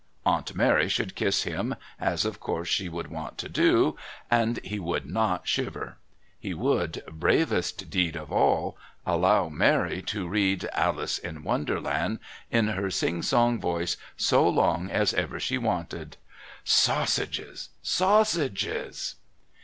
Aunt Mary should kiss him (as, of course, she would want to do), and he would not shiver; he would (bravest deed of all) allow Mary to read "Alice in Wonderland" in her sing sing voice so long as ever she wanted... Sausages! Sausages!